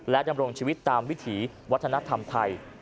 ดำรงชีวิตตามวิถีวัฒนธรรมไทย